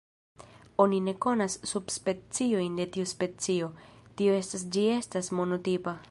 Oni ne konas subspeciojn de tiu specio, tio estas ĝi estas monotipa.